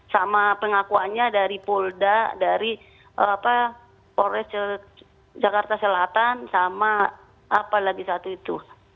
sama pengakuannya dari polda dari polres jakarta selatan sama apa lagi satu itu